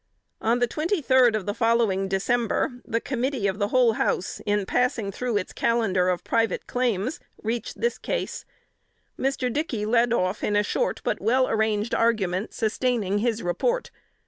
On the twenty third of the following December, the committee of the whole House, in passing through its calendar of private claims, reached this case. Mr. Dickey led off in a short, but well arranged argument, sustaining his report.